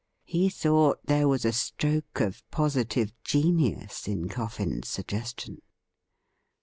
He thought there was a stroke of positive genius in Coffin's suggestion.